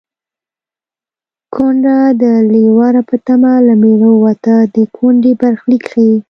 کونډه د لېوره په تمه له مېړه ووته د کونډې برخلیک ښيي